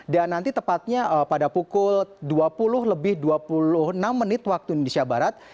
nanti tepatnya pada pukul dua puluh lebih dua puluh enam menit waktu indonesia barat